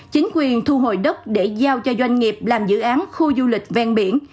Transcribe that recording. chính quyền thu hồi đất để giao cho doanh nghiệp làm dự án khu du lịch ven biển